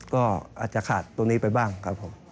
ก็อาจจะขาดตรงนี้ไปบ้างครับผม